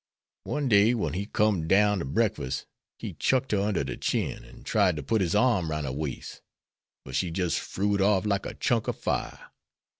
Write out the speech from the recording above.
One day when he com'd down to breakfas,' he chucked her under de chin, an' tried to put his arm roun' her waist. But she jis' frew it off like a chunk ob fire.